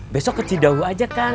besok kecil dahulu aja kang